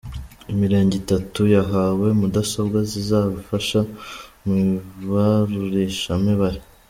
Imirenge itatu yahawe mudasobwa zizafasha mu ibarurishamibare